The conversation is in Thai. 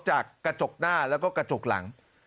จากกระจกหน้าและกระจกหลัง